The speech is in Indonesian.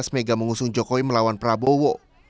mega mengusung jokowi melawan prabowo